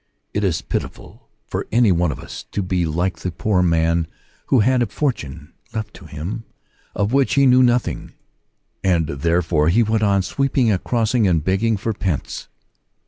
It is pitiful for any one of us to be like the poor man who had a fortune left him, of which he knew nothing, and therefore he went on sweeping a crossing and begging for pence.